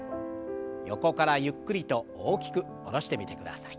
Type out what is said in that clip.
横からゆっくりと大きく下ろしてみてください。